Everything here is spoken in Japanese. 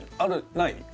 ない？